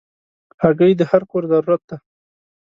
هګۍ د هر کور ضرورت ده.